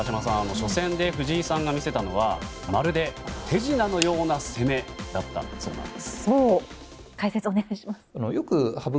初戦で藤井さんが見せたのはまるで手品のような攻めだったんだそうなんです。